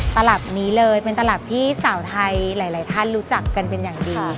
ตลับนี้เลยเป็นตลับที่สาวไทยหลายท่านรู้จักกันเป็นอย่างดี